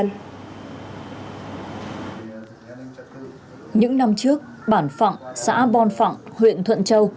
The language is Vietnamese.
những năm trước bản phạng xã bòn phạng huyện thuận châu